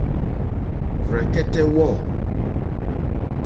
Rzɛ̀kɛ́tɛ́ wɔ̂.